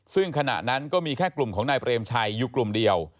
ซึ่งขณะนั้นก็มีแค่กลุ่มของนายเปรมชัยอยู่กลุ่มเดียว